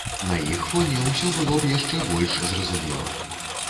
На іх фоне ўсё было б яшчэ больш зразумела.